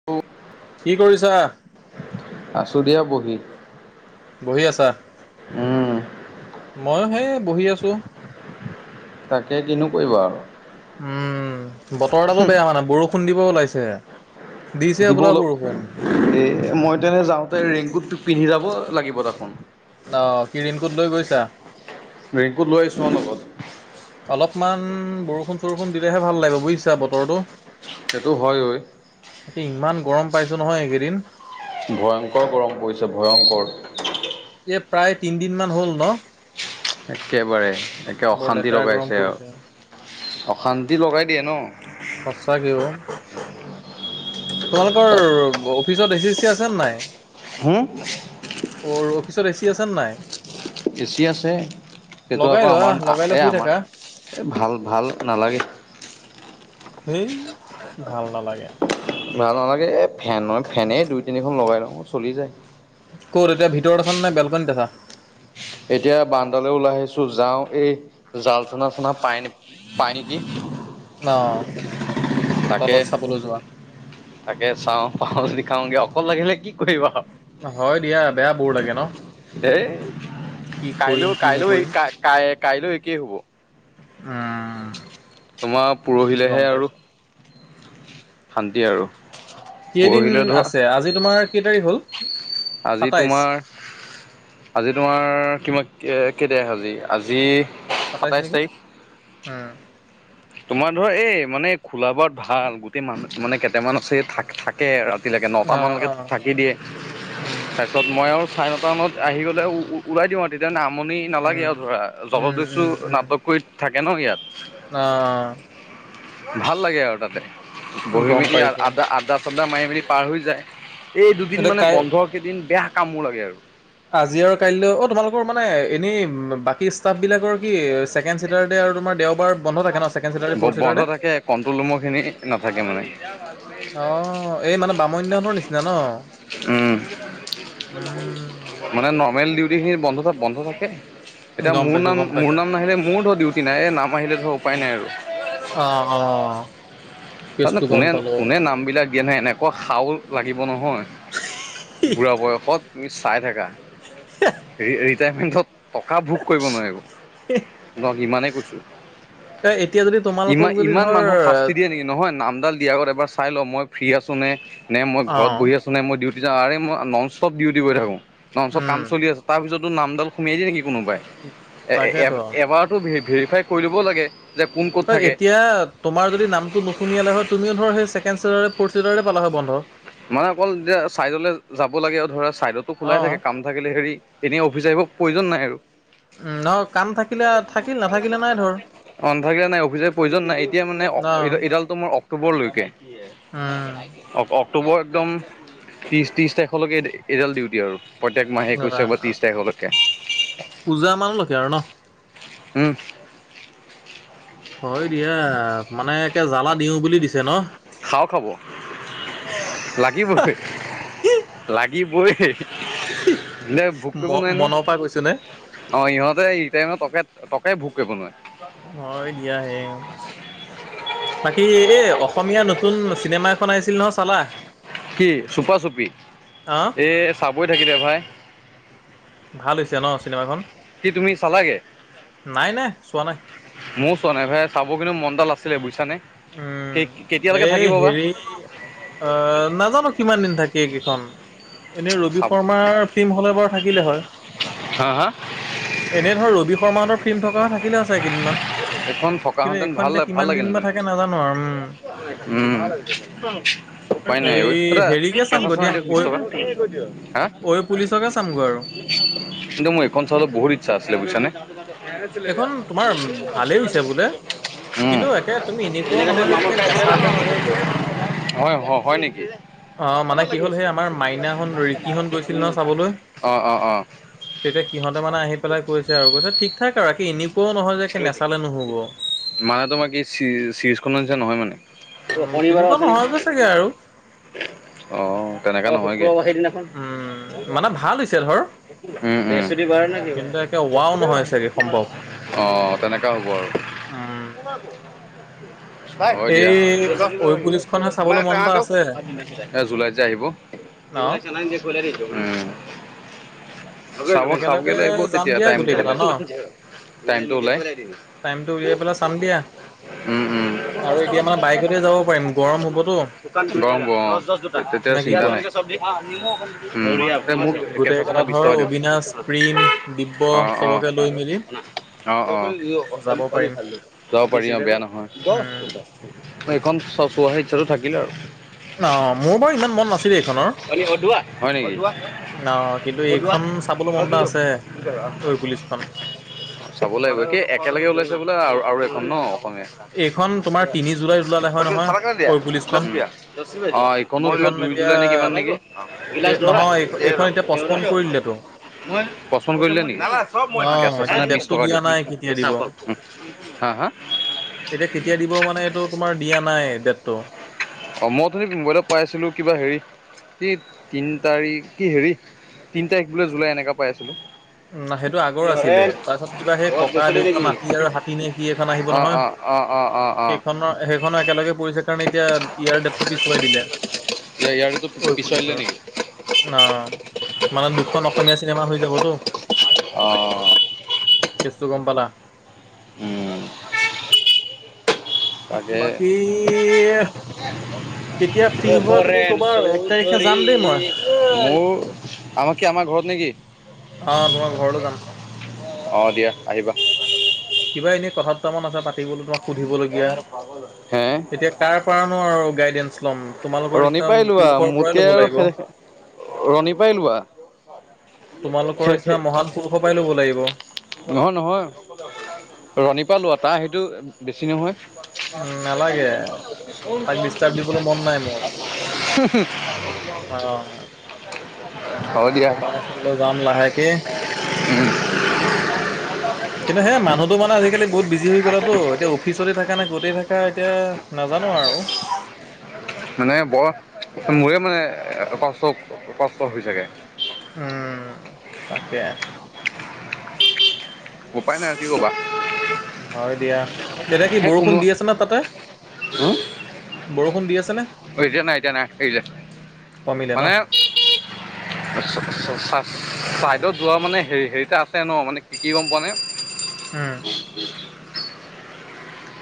[inaudible] কি কৰিছা? আছোঁ দিয়া বহি। বহি আছা, উম মইও সেই বহি আছোঁ। তাকে, কিনো কৰিবা আৰু। উম, বতৰ দালো বেয়া হোৱা নাই, বৰষুণ দিব ওলাইছে। দিছে দিব হ'বলা অলপ বৰষুণ। এ, মই তেনে যাওঁতে, ৰেইনকোটটো পিন্ধি যাব লাগিব দেখোন। অ', কি ৰেইনকোট লৈ গৈছা। ৰেইনকোট লৈ আহিছোঁ অ', লগত। অলপমান বৰষুণ-চৰষুণ দিলেহে ভাল লাগিব, বুজিছা বতৰটো। সেইটো হয় ঐ। একে ইমান গৰম পাইছো নহয়, এইকেইদিন। ভয়ংকৰ গৰম পৰিছে ভয়ংকৰ। ইয়াত, প্ৰায় তিনদিন মান হ'ল ন। একেবাৰে একে বৰ অশান্তি লেতেৰা গৰম লগাইছে আৰু পৰিছে। অশান্তি লগাই দিয়ে ন। সঁচাকে অ'। তোমালোকৰ অফিচত এচি চি আছে নে নাই। হুম। অ', ৰ অফিচত এ চি আছেনে নাই। এ চি আছে সেটো লগাই আকৌ লোৱা, আমাৰ লগাই লৈ এই শুই আমাৰ থাকা। এ ভাল, ভাল নালাগে। হেই ভাল নালাগে। ভাল নালাগে এই ফেনৰ ফেনেই দুই তিনিখন লগাই লওঁ চলি যায়। ক'ত এতিয়া ভিতৰত আছা নে বেলকনিত আছা। এতিয়া বাৰান্দালৈ ওলাই আহিছোঁ যাওঁ এই জাল চনা, চনা পাই নে। পাই নেকি। অ', তাকে তলত চাবলৈ যোৱা। তাকে চাওঁ পাওঁ যদি খাওঁগে অকল থাকিলে কি কৰিবা আৰু। হয় দিয়া বেয়া ব'ৰ লাগে ন। আৰু এই কি কৰিম কাইলৈও, কি কাইলৈও নকৰিম কাই কাইলৈ একেই হ'ব। উম। তোমাৰ পৰহিলেহে গম আৰু পাইছো শান্তি আৰু। কেইদিন পৰহিলৈ ধৰা আছে আজি তোমাৰ কেই তাৰিখ হ'ল? আজি সাতাইশ তোমাৰ আজি তোমাৰ কিমা কে, কে তাৰিখ আজি আজি সাতাইছ নেকি উম। তোমাৰ ধৰা এই মানে খোলা বাৰত ভাল গোটেই মানুহ মানে কেইটামান আছে থাক থাকে ৰাতিলৈকে ন' তা অ মান লকে অ থাকি দিয়ে। উম পাছত মই আৰু চাৰে নটা মানত আহি গ'লে ওলাই দিওঁ আৰু তেতিয়াে আমনি নালাগে উম আৰু ধৰা উম জলদস্যু উম উম নাটক কৰি থাকে ন ইয়াত। অ'। ভাল লাগে আৰু তাতে বহি গম মেলি পাইছো আড্ডা আড্ডা আদ্দা মাৰি, মাৰি মেলি পাৰ হৈ যায় এই দুদিন এতিয়া মানে কাই বন্ধ কেইদিন বেয়া কামোৰ লাগে আৰু। আজি আৰু কাইলৈ অ', তোমালোকৰ মানে এনেই বাকী ষ্টাফ বিলাকৰ কি ছেকেণ্ডচেতাৰ ডে আৰু তোমৰ দেওবাৰ বন্ধ থাকে ন' কে ছেকেণ্ডচেতাৰ ডে ফৰ্থ বন্ধ চেতাৰ ডে। থাকে কণ্ট্ৰল ৰুমৰখিনি নাথাকে মানে। অ', এই মানে বামুণীয়াহঁতৰ নিচিনা ন? উম। উম, মানে নৰ্মেল ডিউটিখিনি বন্ধত বন্ধ থাকে। এতিয়া গম মোৰ পাইছোঁ, নাম, গম মোৰ পাইছোঁ। নাম নাহিলে মোৰ ধৰ ডিউটি নাই এই নাম আহিলে ধৰ উপায় নাই আৰু। অ', অ'। তাতনো কেচটো গম কোনে, পালোঁ। কোনে নাম বিলাক ই এনে এনেকুৱা শাও লাগিব নহয় বুঢ়া বয়সত তুমি চাই থাকা। ৰিটায়াৰমেন্টত টকা ভোগ কৰিব নোৱাৰিব। ইমানেই কৈছোঁ এ এতিয়া যদি তোমালোকক ইমান যদি ইমান ধৰ মানুহক শাস্তি দিয়ে নেকি নহয় নামডাল দিয়া আগত এবাৰ চাই ল মই ফ্ৰী আছোঁ নে, নে মই ঘৰত অ', বহি আছোঁ মই ডিউটি যাওঁ মই নন ষ্টপ ডিউটি কৰি থাকো ননষ্টপ কাম উম, চলি আছে তাৰপিছত টো নামডাল সোমিয়াই দি নেকি কোনোবাই এ তাকেতো। এবাৰতো ভেৰিফাই কৰি ল'ব লাগে। যে কোন ক'ত হয় থাকে এতিয়া তোমাৰ যদি নামটো নুশুমিয়ালে হয়, তুমিও ধৰ সেই ছেকেণ্ড চিটাৰে ফ'ৰ্থ ছিটাৰে পালা হয় বন্ধ। মানে অকল যেতিয়া চাইডলে যাব লাগে ধৰা চাইডতো খোলাই অ', থাকে কাম। থাকিলে হেৰি এনেই অফিচ আহিব প্ৰয়োজন নাই আৰু। উম। নহয় কাম থাকিলে থাকিল নাথাকিলে নাই ধৰ। [unintelligible] অফিচ আহিবৰ প্ৰয়োজন নাই এতিয়া মানে অ', এডাল তোমাৰ অক্টোবৰলৈকে। উম। অ অ অক্টোবৰ একদম ত্ৰিশ ত্ৰিশ তাৰিখলৈকে এইডাল ডিউটি আৰু। প্ৰত্যেক মাহে একৈশ তাৰিখৰ পৰা ত্ৰিশ তাৰিখলৈকে পূজা মানলৈকে আৰু ন? উম। হয় দিয়া মানে একে জ্বালা দিওঁ বুলি দিছে ন শাও খাব। লাগিবই লাগিবই। ইহঁতে ভোগ কৰিব ম নোৱাৰে নহয় মনৰ পৰা কৈছো নে অ ইহঁতে ৰেট্ৰায়েমেন্ত্ৰৰ টকাই ভোগ কৰিব নোৱাৰে। হয় দিয়াহে বাকী এই অসমীয়া নতুন চিনেমা এখন আহিছিল নহয় চালা কি চুপা চুপি অ এ চাবই থাকিলে ভাই। ভাল হৈছে ন চিনেমাখন কি তুমি চালাগে নাই নাই চোৱা নাই মইও চোৱা নাই ভাই চাবগে কিন্তু মন এটা আছিলে বুজিছানে উম সেই এই হেৰি অ নাজানো কিমান দিন থাকে এই কেইখন। এনেই ৰবি চাব শৰ্মাৰ ফিল্ম হ'লে বাৰু থাকিলে হয়। হা হা এনে ধৰ ৰবি শৰ্মাহঁতৰ ফিল্ম থকা হয় থাকিলে হয় চাগে কেইদিনমান। এইখন কিন্তু থকাহেঁতেন এইখন ভাল এতিয়া ভাল কিমান দিন বা লাগিলহেঁতেন থাকে নাজানো আৰু উম। উম। উপাই নাই অই অ এই দাদা হেৰিকে কেঁচা চামগৈ চানা দিয়া দিয়ক ঐ বিশ টকাৰ হা ঐ পুলিচকে চামগৈ আৰু কিন্তু মোৰ এইখন চাবলৈ বহুত ইচ্ছা আছিলে বুজিছানে। এইখন তোমাৰ ভালেই হৈছে বোলে [unintelligible] উম। কিন্তু একে তুমি এনেকুৱাও নহয় যে একে নেচালে নহ'ব। [unintelligible] হয় হয় নেকি। অ' মানে অকমান কি লাগি হ'ল সেই আছিলে আমাৰ মাইনাহত ৰিকিহত গৈছিল উম নহয় চাবলৈ। অ অ অ। তেতিয়া সিহঁতে মানে আহি পেলাই কৈছে আৰু কৈছে ঠিক ঠাক আৰু বাকী এনেকুৱাও নহয় যে নেচালে নহ'ব। মানে তোমাৰ কি চিজ চিজখনৰ নিচিনা নহয় মানে উম, শনিবাৰেও তেনেকুৱা আছে নহয়গৈ নেকি। চাগে আৰু অ তেনেকা নহয়গে। উম, মানে ভাল হৈছে ধৰ। উম উম। ৰবিবাৰ নে কি বাৰ কিন্তু একে ৱাও নহয় চাগে সম্ভৱ বৃহস্পতিবাৰ অ তেনেকা হ'ব আৰু। উম। হয় দিয়া এই ঐ পুলিচখনহে চাবলৈ মন এটা আছে [unintelligible] এ জুলাইত যে আহিব ন'। [unintelligible] একেলগে সোনকালে আহিব যাম তেতিয়া দিয়া টাইমটো গোটেই কেইটা ওলাই ন' টাইমটো ওলাই। টাইমটো উলিয়াই পেলাই চাম দিয়া। উম উম। আৰু এতিয়া মানে বাইকতে যাব পাৰিম গৰম হ'বতো গৰম হ'ব অ তেতিয়া নে একো কি চিন্তা কোৱা? নাই উম মোক গোটেই কেঁচা কেইটা চেনা বিশ ধৰ টকা দিয়ক। অবিনাশ প্ৰীম দিব্য অ অ চবকে লৈ মেলি অ অ যাব পাৰিম। যাব পাৰি অ বেয়া নহয় বহ উম এইখন চ চোৱাৰ ইচ্ছাটো থাকিলে আৰু। অ মোৰ বাৰু ইমান মন নাছিলে এইখনৰ আৰু হয় নেকি অ কিন্তু এইখন। চাবলৈ মন এটা আছে ঐ পুলিচখন। চাব লাগিব, কে একেলগে ওলাইছে বোলে আৰু আৰু এখন ন' অসমীয়া? এইখন তোমাৰ তিনি জুলাইত ওলালে হয় নহয় ঐ পুলিচখন। [inaudible] এইখন দুই এতিয়া জুলাই নে কি কিমান নেকি। এ নহয় এই এইখন এতিয়া পচপন কৰি দিলেতো। [unintelligible] মই প্ৰশ্ন কৰিলে নেকি? অ' কেঁচা এতিয়া চানাত বিছ ডেটটো টকা দিয়া দিয়ক। নাই কেতিয়া দিব। কেঁচা অকল উম। হা হা? এতিয়া কেতিয়া দিব মানে এইটো তোমাৰ দিয়া নাই ডেটটো। অ', মই উঠনি মোবাইলত পাইছিলো কিবা হেৰি। কি তিন তাৰিখ কি হেৰি তিন তাৰিখ বোলে জুলাই এনেকা পাই আছিলোঁ। উম, না সেইটো কি আগৰ আছিলে, হৰেণ তাৰ পিছত কিবা সেই ক'ৰবাত ককা গৈছিলি দেউতা নেকি মাটি আৰু হাতী নে কি এখন আহিব অ নহয়। অ', অ', অ', অ'। সেইখন' সেইখন' একেলগে পৰিছে কাৰণ এতিয়া ইয়াৰ ডেটটো পিছুৱাই দিলে। ইয়া ইয়াৰ পিছুৱাই দিলে নেকি? ন, মানে দুখন অসমীয়া চিনেমা হৈ যাবতো। অ'। কেছটো গম পালা। উম। বাকীহ অ', হৰেণ ক'বা আৰু এক তাৰিখে চৌধুৰী। যাম দেই মই উম, মোৰ আমাক কি আমাৰ ঘৰত নেকি? অ', তোমাৰ ঘৰটো যাম। অ', দিয়া আহিবা। কিবা এনে কথা দুটামান আছে পাতিবলৈ [inaudible] সুধিবলগীয়া, হে এতিয়া কাৰ পৰানো আৰু গাইডেনছ লম তোমালোক ৰণী পাই লোৱা মোতকে আৰু ৰণী পাই লোৱা। তোমালোকৰ খেখে। নিচিনা মহান পুৰুষৰ পৰাই ল'ব লাগিব নহয় নহয়, ৰণী পা লোৱা তাৰ সেইটো বেছি নহয়। [inaudible] উম নালাগে তাক ডিষ্টাৰ্ব দিবলৈ মন নাই মোৰ [inaudible] অ'। হ'ব দিয়া। ঘৰলৈ যাম লাহেকে। কেনহে মানুহটো মানে আজিকালি বহুত বিজি হৈ গ'লাতো। তে, অফিচতে থাকা না ক'তে থাকা, এতিয়া নাজানো আৰু। মানে বৰ মোৰে মানে কষ্ট কষ্ট হয় চাগে। উম, তাকে। ওপাই নাই আৰু কি ক'বা। হয় দিয়া এতিয়া কি [inaudible] বৰষুণ দি আছে ন তাতে উম। বৰষুণ দি আছে নে? অ', এতিয়া নাই এতিয়া নাই এৰিলে মানে [inaudible] চা-চাইডত যোৱা মানে হেৰি-হেৰিটা আছে ন' মানে কি গম পোৱা নে? উম।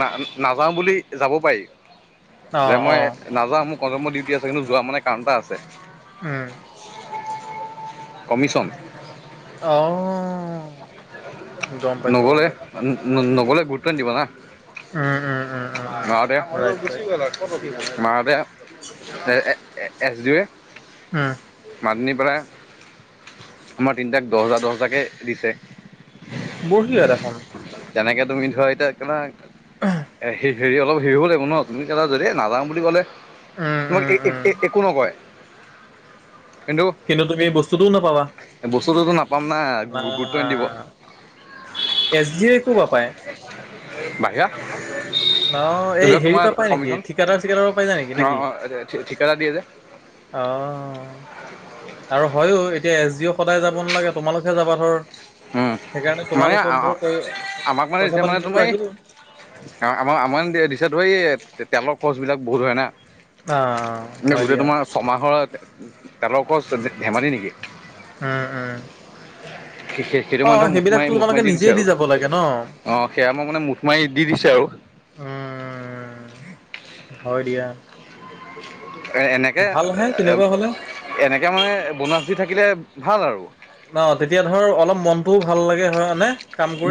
না-নাযাওঁ বুলি যাব পাৰি। অ যে অ মই নাযাওঁ মোৰ কলমৰ ডিউটি আছে কিন্তু যোৱা মানে কাৰণ এটা আছে। উম। [inaudible] কমিছন। অ, গম পাইছো গম নগ'লে, পাইছো নগ'লে, গুৰুত্ব নিদিব না। উম উম উম উম উম [inaudible] মাজতে right right S, D, A um, মাতি নি পেলাই, আমাৰ তিনটাক দহ হাজাৰ, দহ হাজাৰকে, দিছে। বৰহিয়া দেখোন। তেনেকে তুমি ধৰা এতিয়া কিবা এ, হেৰি হেৰি অলপ হেৰিব লাগিব ন, তুমি কেলা, যদি নাযওঁ বুলি ক'লে। উম তোমাক উম উম এ, একো নকয়, কিন্তু কিন্তু তুমি বস্তুটোও নাপাবা, বস্তুটোতো নাপাম না গুৰুত্ব নিদিব আহ এছ, ডি, একো, পাপায়। [inaudible] বাহিৰা। অ, এই এইবিলাক হেৰি তোমাৰ পৰা পাই নেকি কমিশ্যন ঠিকাদাৰ-চিকাদাৰেও পাই যায় নেকি, নেকি? ঠি, ঠিকাদাৰ দিয়ে যে। অ, আৰু হয়ো, এতিয়া এছ, জি, এইও সদায় যাব নালাগে, তোমালোকহে যাবা ধৰ। উম, সেইকাৰণে মানে তোমালোকক, ধৰ কৈ আমাক মানে দিছে পইচা মানে পাতি দি তোমাৰ টো, এই ৰাখিলো। আমাৰ, আমাৰ দিছো এই, তেলৰ খৰচ বিলাক বহুত হয় না। অ, হয় গোটেই দিয়া। তোমাৰ ছমাহৰ তেলৰ, খৰচ ধেমালি নেকি। উম, উম, শেষে সেইটো অ মানুহৰ মুঠ মাৰি, সেইবিলাকতো মুঠ মাৰি, তোমালোকে দি দিছে নিজেই আৰু যাব লাগে ন অ, সেয়া মই মানে মুঠ মাৰি দি দিছে আৰু। উম, হয় দিয়া। এনেকে, ভালহে তেনেকুৱা হলে এনেকেমানে বৌনাছ দি থাকিলে, ভাল আৰু। ন, তেতিয়া ধৰ অলপ মনটো ভাল লাগে হয়ানে।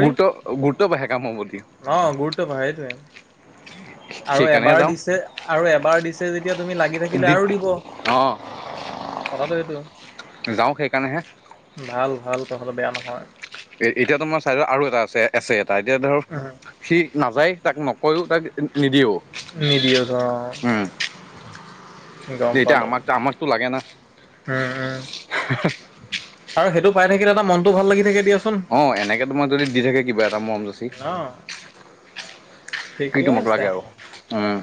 গুৰুত্ব, গুৰুত্ব বাহে কামৰ প্ৰতি। অ, গুৰুত্ব বাহে সেইটোৱে। আৰু সেইকাৰণেহে এবাৰ যাওঁ দিছে আৰু এবাৰ দিছে যেতিয়া তুমি লাগি থাকিলে দি আৰু দিব। অ, কথাতো‌ সেইটো। যাওঁ সেইকাৰণে হে। ভাল, ভাল, তহঁতৰ বেয়া নহয়। এতিয়াটো, তোমাৰ চাইডত আৰু এটা আছে এছ, এ, এটা এতিয়া ধৰ উম, সি নাযায়, তাক নকৈও, তাক নিদিয়েও। নিদিয়ে অ, উম, গম এতিয়া পালো আমাক, আমাকটো লাগে না, [inaudible] উম উম আৰু সেইটো পাই থাকিলে তাৰ মনত ভাল লাগি থাকে। দিয়াচোন অ, এনেকে তোমাৰ যদি দি থাকে, কিবা এটা মৰম যাচি ন কি ঠিকে তোমাক আছে। লাগে আৰু উম,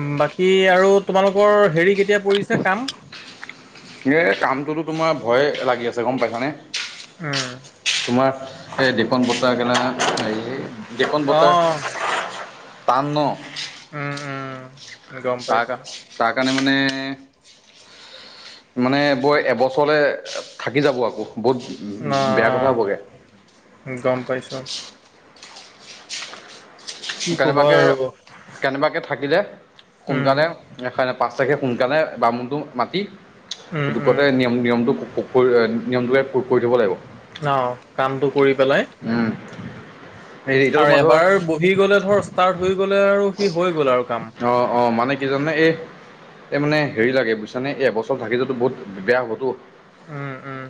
উম বাকী আৰু তোমালোকৰ হেৰি কেতিয়া পৰিছে কাম- এই কামটোতো তোমাৰ ভয়ে লাগি আছে গম পাইছানে- অ। তোমাৰ সেই ডিকম পঠোৱা কেনে হেৰি ডিকম অ বৰ্তাৰ টান ন। উম' উম। গম চা পাইছো তাৰ কাৰণে মানে মানে বৰ এবছৰলে থাকি যাব আকৌ বহুত বেয়া কথা অঁ হ'বগৈ গম পাইছোঁ। কি ক'বা কেনেবাকে আৰু কেনেবাকে থাকিলে উম সোনকালে পাঁচ তাৰিখে সোনকালে বামুণটো মাতি, উম উম পুটুকতে নিয়ম নিয়মটো ক ক কৰি নিয়মটোকে কৰি থব লাগিব। অ কামটো কৰি পেলাই হেৰি এতিয়াতো আৰু মই ধৰ এবাৰ ব সি গ'লে ধৰ ষ্টাৰ্ট হৈ গ'লে আৰু সি হৈ গ'ল আৰু কাম। অ, অ মানে কি জাননে এই এই মানে হেৰি লাগে বুইছানে এ এবছৰ থাকি যোৱাটো বহুত বেয়া হ'বতো। উম, উম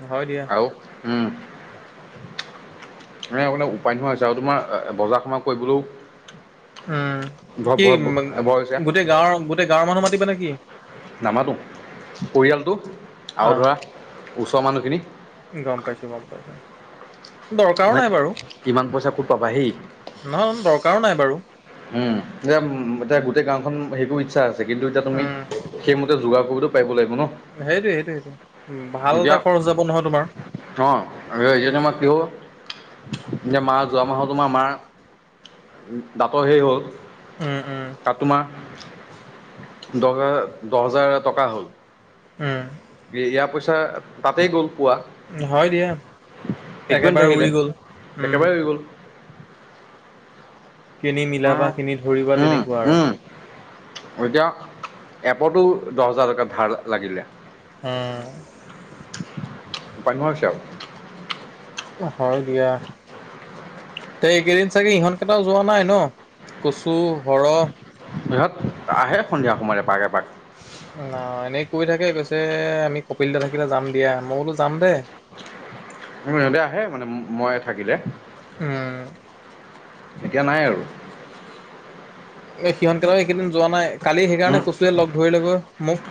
নহয় দিয়া। আৰু উম উপায় নোহোৱা হৈছে আৰু তোমাৰ বজাৰ সমাৰ কৰিবলেও উম কি গোটেই গাঁৱৰ ভয় হৈছে গোটেই গাঁৱৰ মানুহ মাতিবা নেকি? নামাতো পৰিয়ালটো আৰু অ', ধৰা ওচৰৰ মানুহখিনি। গম পাইছো গম পাইছো। দৰকাৰো মানে নাই বাৰু ইমান পইচা ক'ত পাবা হেই নহয় দৰকাৰো নাই বাৰু। উম এতিয়া এতিয়া গোটেই গাঁওখন সেইবোৰ ইচ্ছা আছে, কিন্তু এতিয়া তুমি উম, সেই ম যোগাৰ কৰিবতো পাৰিব লাগিব ন। সেইটোয়ে সেইটোয়ে সেইটোয়ে ভাল এটা এতিয়া খৰচ যাব নহয় তোমাৰ। অ আৰু এতিয়াটো মই পিঅ এতিয়া মা যোৱা মাহত তোমাৰ মাৰ, দাঁতৰ সেই হ'ল। উম, উম। তাত তোমাৰ দহ হাৰ দহ হাজাৰ টকা হ'ল। উম। ইয়াৰ পইচা তাতেই গ'ল পোৱা। হয় দিয়া একোৱেই একেবাৰে নাথাকিলে উৰি গ'ল উম। একেবাৰে হৈ গ'ল। কেনি মিলাবা অঁ কেনি ধৰিবা উম, তেনেকুৱা আৰু। উম, এতিয়া এপতো দহ হাজাৰ টকা ধাৰ লাগিলে। অ। পাম্য হৈছে আও। হয় দিয়া। তে এইকেইদিন চাগে ইহঁতকেইটাও যোৱা নাই ন, কচু, সৰহ? সিহঁত আহে সন্ধিয়া সময়ত এপাক এপাক। ন এনেই কৈ থাকে কৈছে, আমি কপিল দা থাকিলে যাম দিয়া, মই বোলো যাম দে। উম সিহঁতে আহে মানে মই থাকিলে। উম। এতিয়া নাই আৰু। এ সিহঁত কেইটা লগত এই কেইদিন যোৱা নাই, কালি সেইকাৰণে কচুয়ে লগ ধৰিলেগৈ মোক।